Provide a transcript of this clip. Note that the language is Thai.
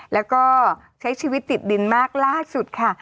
แล้วก็ใช้ชีวิตติดดินมากล่าสุดค่ะ